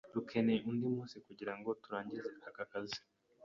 Dukeneye undi munsi kugirango turangize aka kazi.